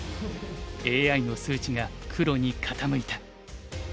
ＡＩの数値が黒に傾いた。